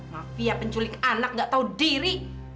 mafia penculik anak gak tahu diri